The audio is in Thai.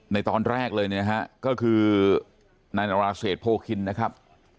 ในตอนแรกเลยนะครับก็คือนาราเศษโภคินนะครับ